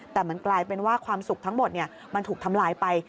แต่มันกลายเป็นว่าความสุขทั้งหมดมันถูกทำลายไป